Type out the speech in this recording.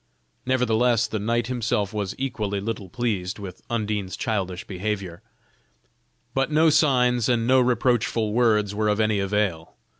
Nevertheless, the knight himself was equally little pleased with Undine's childish behavior: but no signs, and no reproachful words were of any avail.